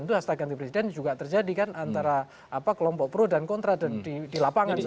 itu hastag ganti presiden juga terjadi kan antara kelompok pro dan kontra di lapangan